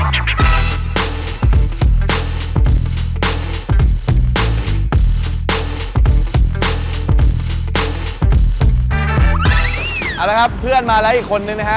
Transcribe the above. เอาละครับเพื่อนมาแล้วอีกคนนึงนะฮะ